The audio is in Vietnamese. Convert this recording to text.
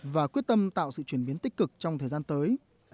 và quyết tâm tạo sự chuyển biến tích cực trong thời gian tới